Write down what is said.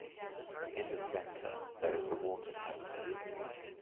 In the center there is a water fountain.